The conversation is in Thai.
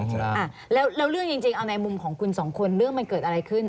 ใช่แล้วเรื่องจริงเอาในมุมของคุณสองคนเรื่องมันเกิดอะไรขึ้น